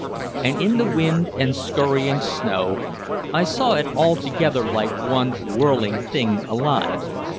And in the wind and skurrying snow I saw it all together like one whirling thing alive.